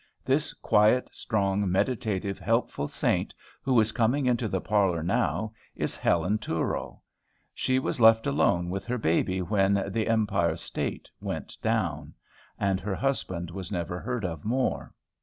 This quiet, strong, meditative, helpful saint, who is coming into the parlor now, is Helen Touro. She was left alone with her baby when "The Empire State" went down; and her husband was never heard of more.